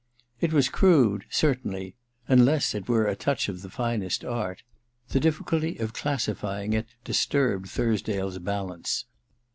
It was crude, certainly ; unless it were a touch of the finest art. The difficulty of classi fying it disturbed Thursdale's balance.